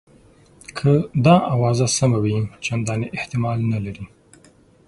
که دا آوازه سمه وي چنداني احتمال نه لري.